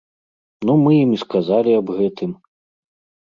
Ну, мы ім і сказалі аб гэтым.